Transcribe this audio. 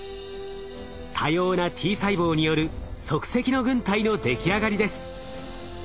多様なＴ細胞による即席の軍隊の出来上がりです。